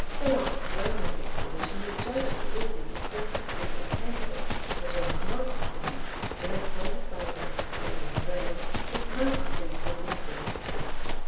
The Loch Lomond expedition was judged worthy to form a separate pamphlet, which I have not seen; but, as quoted by the historian Rae, it must be delectable.